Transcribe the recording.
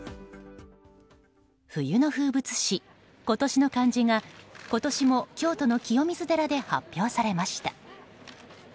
冬の風物詩、今年の漢字が今年も京都の清水寺で発表されました。